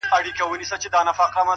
• هم د ده هم یې د پلار د سر دښمن وي ,